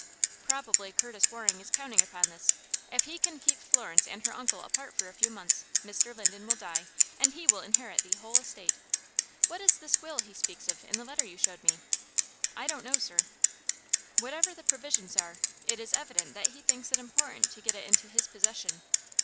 "Probably Curtis Waring is counting upon this. If he can keep Florence and her uncle apart for a few months, Mr. Linden will die, and he will inherit the whole estate. What is this will he speaks of in the letter you showed me?" "I don't know, sir." "Whatever the provisions are, it is evident that he thinks it important to get it into his possession.